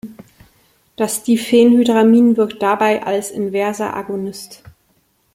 Das Diphenhydramin wirkt dabei als inverser Agonist.